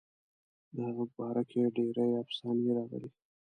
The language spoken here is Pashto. د هغه په باره کې ډېرې افسانې راغلي.